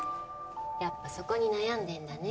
やっぱそこに悩んでんだね。